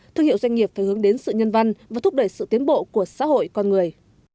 thương hiệu doanh nghiệp phải hướng đến sự nhân văn và thúc đẩy sự tiến bộ của xã hội con người